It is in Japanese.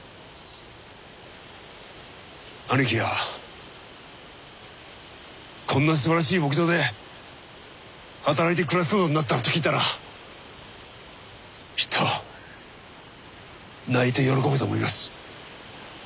兄貴がこんなすばらしい牧場で働いて暮らすことになったなんて聞いたらきっと泣いて喜ぶと思います。